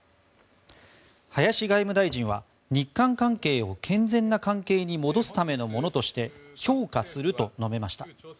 林外務大臣は日韓関係を健全な関係に戻すためのものとして評価すると述べました。